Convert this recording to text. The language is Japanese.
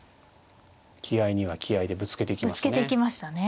気合いには気合いでぶつけていきますね。